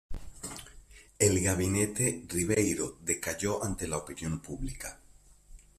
El gabinete Ribeyro decayó ante la opinión pública.